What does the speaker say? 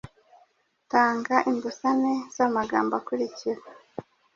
Tanga imbusane z’amagambo akurikira: